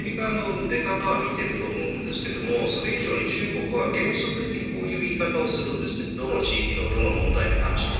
アメリカの出方は見ていると思うんですけどそれ以上に中国は原則的にこういう言い方をするんですどの地域に関しても。